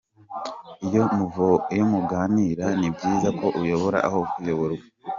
Iyo muganira, ni byiza ko uyobora aho kuyoborwa.